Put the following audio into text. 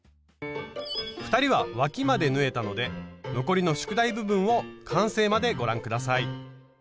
２人はわきまで縫えたので残りの宿題部分を完成までご覧下さい。